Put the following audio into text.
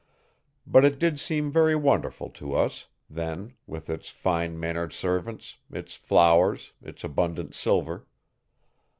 But it did seem very wonderful to us, then, with its fine mannered servants, its flowers, its abundant silver.